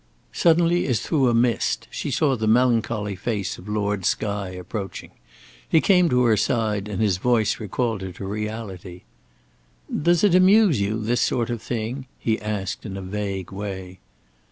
Suddenly, as through a mist, she saw the melancholy face of Lord Skye approaching. He came to her side, and his voice recalled her to reality. "Does it amuse you, this sort of thing?" he asked in a vague way.